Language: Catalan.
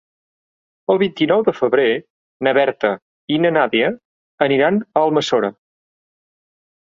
El vint-i-nou de febrer na Berta i na Nàdia aniran a Almassora.